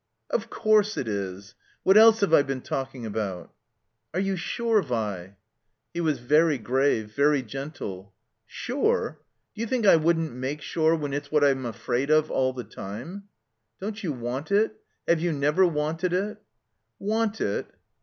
Of course it is. What else have I been talking about?" "Are you stire, Vi?" 2X8 THE COMBINED MAZE He was very grave, very gentle. "Sure? D'you think I woiildn't make sure, when it's what I'm afraid of all the time?" Don't you want it ? Have you never wanted it ?" "Want it?